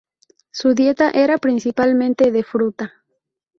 Su dieta era principalmente de fruta.